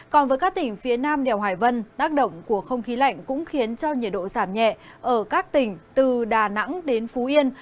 còn với các tỉnh phía nam đèo hải vân tác động của không khí lạnh cũng khiến cho nhiệt độ giảm nhẹ ở các tỉnh từ đà nẵng đến phú yên